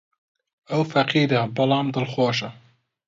ئەو فەقیرە، بەڵام دڵخۆشە.